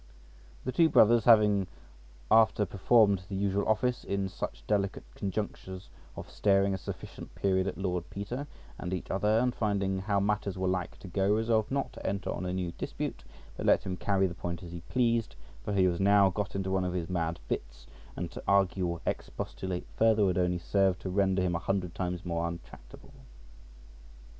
The two brothers, after having performed the usual office in such delicate conjunctures, of staring a sufficient period at Lord Peter and each other, and finding how matters were like to go, resolved not to enter on a new dispute, but let him carry the point as he pleased; for he was now got into one of his mad fits, and to argue or expostulate further would only serve to render him a hundred times more untractable.